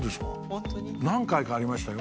何回かありましたよ。